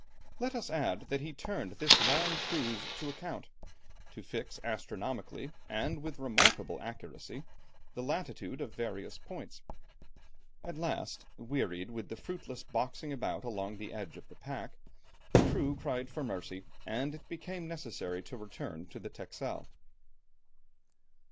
Let us add that he turned this long cruise to account, to fix astronomically, and with remarkable accuracy, the latitude of various points. At last, wearied with the fruitless boxing about along the edge of the pack, the crew cried for mercy, and it became necessary to return to the Texel.